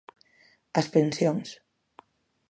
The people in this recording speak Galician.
As pensións.